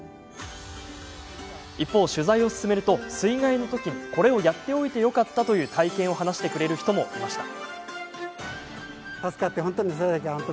一方、取材を進めると水害のときにこれをやっておいてよかったという体験を話してくれる人もいました。